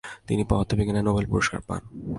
তিনি পদার্থবিজ্ঞানে নোবেল পুরস্কার পান।